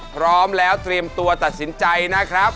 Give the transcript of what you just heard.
พร้อมแล้วเตรียมตัวตัดสินใจนะครับ